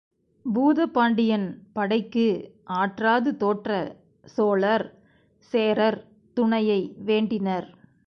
பூதப் பாண்டியன் படைக்கு ஆற்றாது தோற்ற சோழர், சேரர் துணையை வேண்டினர்.